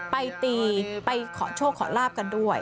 ไปตีไปขอโชคขอลาบกันด้วย